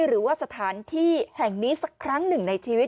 หรือว่าสถานที่แห่งนี้สักครั้งหนึ่งในชีวิต